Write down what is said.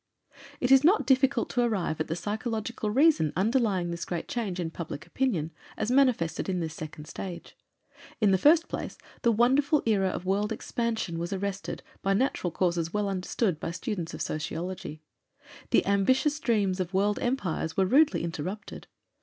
It is not difficult to arrive at the psychological reason underlying this great change in public opinion, as manifested in this second stage. In the first place, the wonderful era of world expansion was arrested, by natural causes well understood by students of sociology. The ambitious dreams of world empires were rudely interrupted.